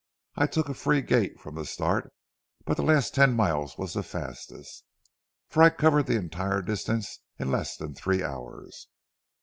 I took a free gait from the start, but the last ten miles was the fastest, for I covered the entire distance in less than three hours.